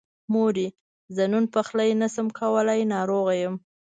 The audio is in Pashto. مورې! زه نن پخلی نشمه کولی، ناروغه يم.